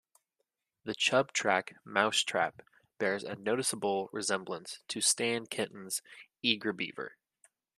The Chub track "Mousetrap" bears a noticeable resemblance to Stan Kenton's "Eager Beaver.